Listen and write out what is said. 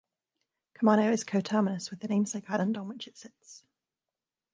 Camano is coterminous with the namesake island on which it sits.